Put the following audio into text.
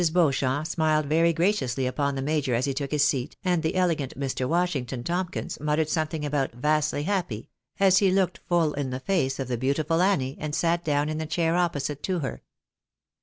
Beauchamp smiled very graciously upon the major as he took his seat, and the elegant Mr. Washington Tomkins muttered something about " vastly happy," as he looked full in the face of the beautiful Annie, and sat down in the chair opposite to her.